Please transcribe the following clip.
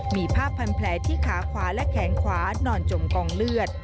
มีภาพพันแผลที่ขาขวาและแขนขวานอนจมกองเลือด